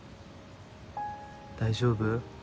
大丈夫？